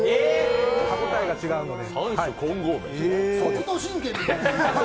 歯応えが違うので。